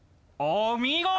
お見事！